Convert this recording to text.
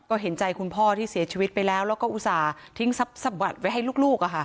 ก็เห็นใจคุณพ่อที่เสียชีวิตไปแล้วแล้วก็อุตส่าห์ทิ้งสับวัตรไว้ให้ลูกอ่ะค่ะ